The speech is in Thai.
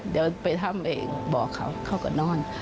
เดี๋ยวไปทำเองบอกเขาเขาก็นอน